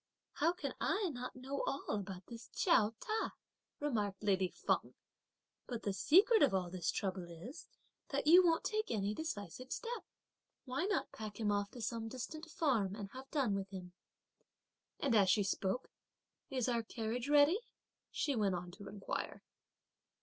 "How can I not know all about this Chiao Ta?" remarked lady Feng; "but the secret of all this trouble is, that you won't take any decisive step. Why not pack him off to some distant farm, and have done with him?" And as she spoke, "Is our carriage ready?" she went on to inquire.